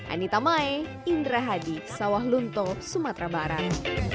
anitta mai indra hadi sawal luntum semoga berhasil